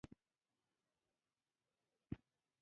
څرګنده خبره ده چې په کندهار کې یې قتلونه کړي وه.